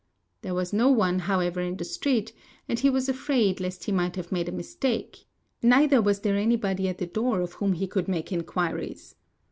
There was no one, however, in the street, and he was afraid lest he might have made a mistake; neither was there anybody at the door of whom he could make inquiries.